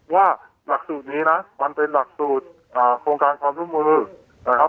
ว่าหลักสูตรนี้นะมันเป็นหลักสูตรโครงการความร่วมมือนะครับ